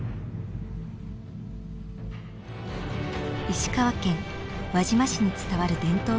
石川県輪島市に伝わる伝統芸能